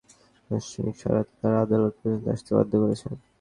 সন্তানকে জিমিঞ্চ করে বিয়ের আনুষ্ঠানিকতা সারতে তারা আদালত পর্যন্ত আসতে বাধ্য করেছে।